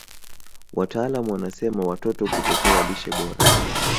wataalamu wanasema watoto kutopewa lishe bora